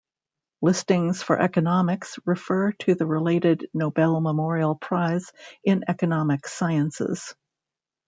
Listings for "Economics" refer to the related Nobel Memorial Prize in Economic Sciences.